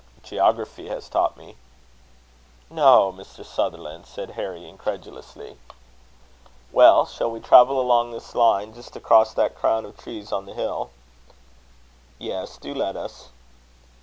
"Geography has taught me." "No, Mr. Sutherland!" said Harry, incredulously. "Well, shall we travel along this line, just across that crown of trees on the hill?" "Yes, do let us."